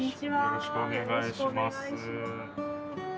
よろしくお願いします。